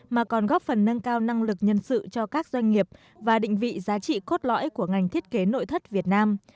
mà còn góp phần nâng cao năng lực nhân sự cho các doanh nghiệp và định vị giá trị cốt lõi của ngành thiết kế nội thất việt nam